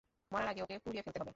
মরার আগে ওকে পুড়িয়ে ফেলতে হবে।